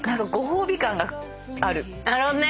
なるほどね。